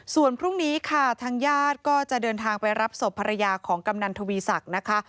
ส่วนพรุ่งนี้ค่ะทางญาติก็จะเดินทางไปรับศพภรรยาของกำนันทวีศักดิ์นะคะ